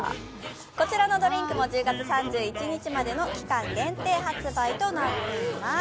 こちらのドリンクも１０月３１日までの期間限定発売となっています。